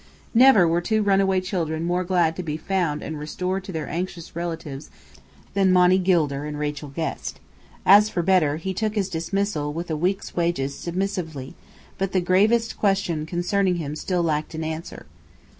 Never were two runaway children more glad to be found and restored to their anxious relatives than Monny Gilder and Rachel Guest. As for Bedr, he took his dismissal, with a week's wages, submissively; but the gravest question concerning him still lacked an answer.